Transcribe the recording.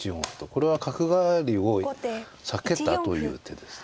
これは角換わりを避けたという手ですね。